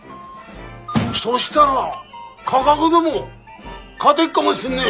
そしたら価格でも勝でっかもしんねえ。